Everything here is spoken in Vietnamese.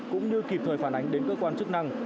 cũng như kịp thời phản ánh đến cơ quan chức năng